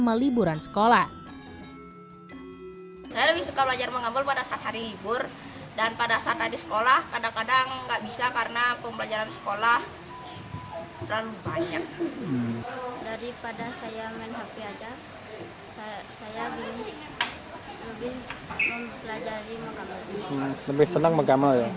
ya lebih senang